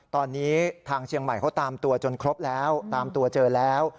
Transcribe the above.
ตอนนี้ทางเชียงใหม่เขาตามตัวจนครบแล้วตามตัวเจอแล้ว